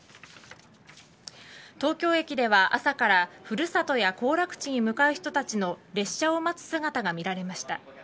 東京駅では朝から古里や行楽地に向かう人たちの列車を待つ姿が見られました。